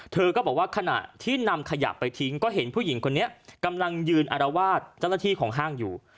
เธอก็บอกว่าขณะที่นำขยะไปทิ้งก็เห็นผู้หญิงคนนี้กำลังยืนอารวาสเจ้าหน้าที่ของห้างอยู่